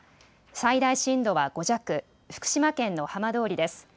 最大震度は５弱、福島県の浜通りです。